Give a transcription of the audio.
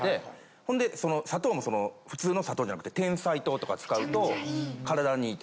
ほんで砂糖も普通の砂糖じゃなくててんさい糖とか使うと体に良いって。